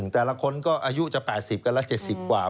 แต่ละคนก็อายุจะ๘๐กันแล้ว๗๐กว่า